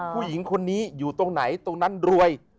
ผู้หญิงคนนี้อยู่ตรงไหนตรงนั้นรวย